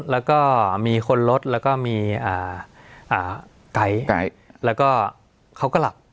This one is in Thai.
แล้วก็มีคนรถแล้วก็มีไก๊แล้วก็เขาก็หลับ